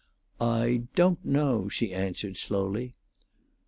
"I don't know," she answered, slowly.